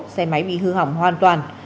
xe máy bị hư hỏng hoàn toàn